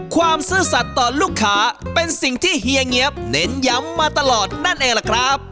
ซื่อสัตว์ต่อลูกค้าเป็นสิ่งที่เฮียเงี๊ยบเน้นย้ำมาตลอดนั่นเองล่ะครับ